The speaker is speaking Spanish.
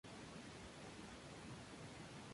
Hay implementaciones del W-buffer que evitan la inversión.